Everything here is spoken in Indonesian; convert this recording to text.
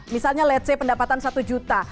misalnya let's say pendapatan satu juta